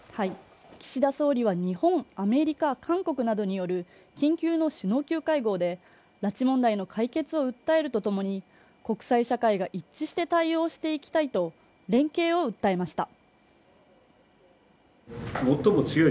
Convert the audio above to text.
岸田総理は日本、アメリカ、韓国などによる緊急の首脳級会合で拉致問題の解決を訴えるとともに、国際社会が一致して対応していきたいと連携を訴えました。